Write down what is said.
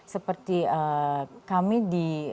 seperti kami di